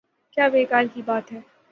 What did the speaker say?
کیا بیکار کی بات ہے۔